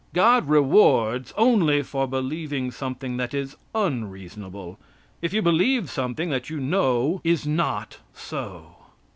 God rewards only for believing something that is unreasonable, if you believe something that you know is not so.